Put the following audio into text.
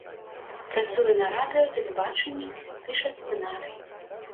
Працуе на радыё, тэлебачанні, піша сцэнарыі.